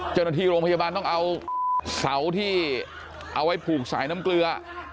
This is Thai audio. เจ้าหน้าที่โรงพยาบาลต้องเอาเสาที่เอาไว้ผูกสายน้ำเกลือ